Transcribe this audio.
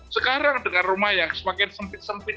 sekarang dengan rumah yang semakin sempit sempit